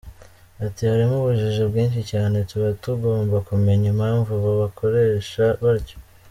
Ati “Harimo ubujiji bwinshi cyane, tuba tugomba kumenya impamvu babakoresha batyo.